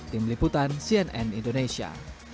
tim liputan cnn indonesia